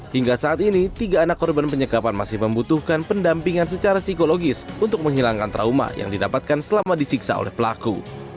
hingga saat ini tiga anak korban penyekapan masih membutuhkan pendampingan secara psikologis untuk menghilangkan trauma yang didapatkan selama disiksa oleh pelaku